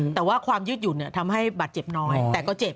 แต่ว่าความยืดหยุ่นทำให้บาดเจ็บน้อยแต่ก็เจ็บ